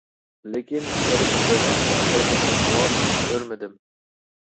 لېكىن كۆرۈپ بىر نەچچە ئاتالغۇنى مۇۋاپىق كۆرمىدىم.